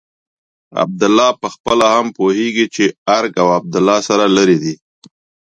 عبدالله پخپله هم پوهېږي چې ارګ او عبدالله سره لرې دي.